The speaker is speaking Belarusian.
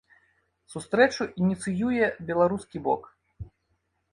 Сустрэчу ініцыюе беларускі бок.